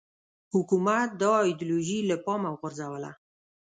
حکومت دا ایدیالوژي له پامه وغورځوله